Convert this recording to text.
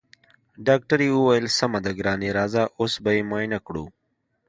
ډاکټرې وويل سمه ده ګرانې راځه اوس به يې معاينه کړو.